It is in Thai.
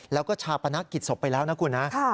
แล้วก็ชาปนกิจศพไปแล้วนะคุณนะ